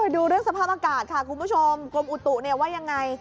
ดูเรื่องสภาพอากาศค่ะคุณผู้ชมกรมอุตุเนี่ยว่ายังไง